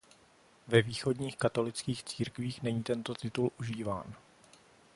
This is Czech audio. Ve východních katolických církvích není tento titul užíván.